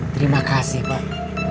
terima kasih pak